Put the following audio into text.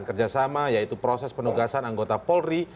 kerjasama yaitu proses penugasan anggota polri